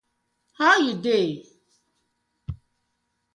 How yu dey?